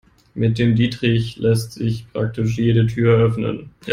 Mit dem Dietrich lässt sich praktisch jede Tür öffnen.